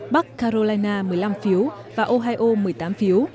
bắc carolina một mươi năm phiếu và ohio một mươi tám phiếu